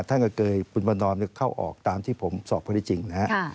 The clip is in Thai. ท่านก็เคยคุณประนอมเข้าออกตามที่ผมสอบข้อได้จริงนะฮะ